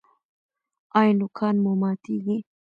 ایا نوکان مو ماتیږي؟